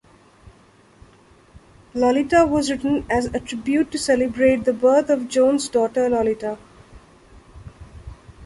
"Lolita" was written as a tribute to celebrate the birth of Jones' daughter Lolita.